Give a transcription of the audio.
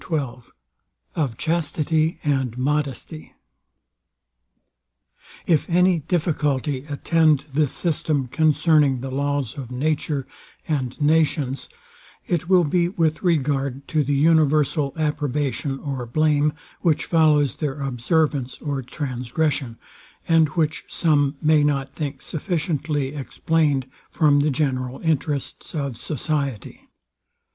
XII OF CHASTITY AND MODESTY If any difficulty attend this system concerning the laws of nature and nations, it will be with regard to the universal approbation or blame, which follows their observance or transgression, and which some may not think sufficiently explained from the general interests of society.